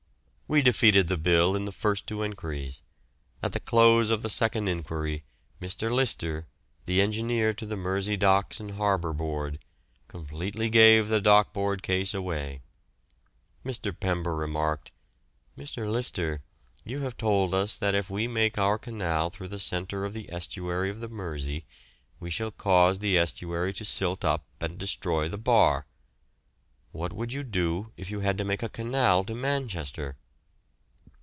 We defeated the bill in the first two enquiries. At the close of the second enquiry Mr. Lyster, the engineer to the Mersey Docks and Harbour Board, completely gave the Dock Board case away. Mr. Pember remarked: "Mr. Lyster, you have told us that if we make our canal through the centre of the estuary of the Mersey we shall cause the estuary to silt up and destroy the bar. What would you do if you had to make a canal to Manchester?"